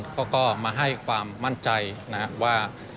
เขาก็มาให้ความมั่นใจว่า